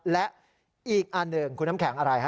และอีกอันหนึ่งคุณน้ำแข็งอะไรฮะ